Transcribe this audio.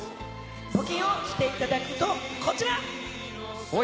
募金をしていただくと、こちら。